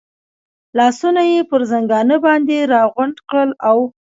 لاسونه یې پر زنګانه باندې را غونډ کړل، اوه.